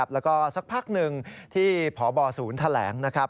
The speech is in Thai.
แล้วก็สักพักหนึ่งที่ผบศแถลง